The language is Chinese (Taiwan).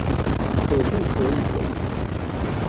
可不可以微糖